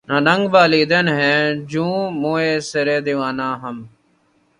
ننگ بالیدن ہیں جوں موئے سرِ دیوانہ ہم